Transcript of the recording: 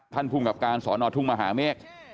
ท่านผู้กับการสอนอทุ่งมหาเมฆ